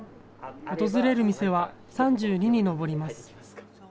訪れる店は３２に上ります。